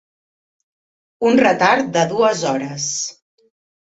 Un retard de dues hores.